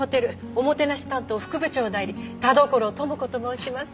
おもてなし担当副部長代理田所智子と申します。